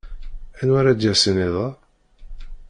Anwa ara d-yasen iḍ-a?